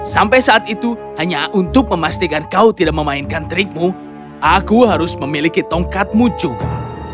sampai saat itu hanya untuk memastikan kau tidak memainkan trikmu aku harus memiliki tongkatmu juga